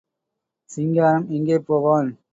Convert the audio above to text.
சிங்காரம் எங்கே போவான்?